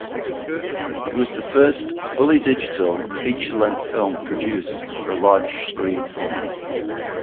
It was the first fully digital feature-length film produced for a large-screen format.